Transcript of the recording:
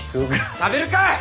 食べるかい！